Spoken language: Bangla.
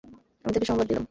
আমি তাকে সংবাদ দিলাম।